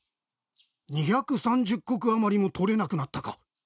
２３０石余りもとれなくなったか。